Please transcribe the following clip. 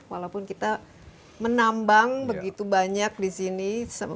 walaupun kita menambang begitu banyak di sini